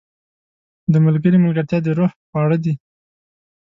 • د ملګري ملګرتیا د روح خواړه دي.